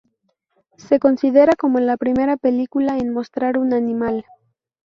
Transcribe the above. Se considera como la primera película en mostrar un animal.